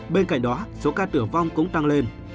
bên cạnh đó số ca tử vong cũng tăng lên